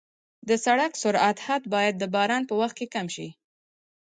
د سړک سرعت حد باید د باران په وخت کم شي.